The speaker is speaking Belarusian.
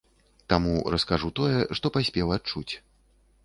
Таму раскажу тое, што паспеў адчуць.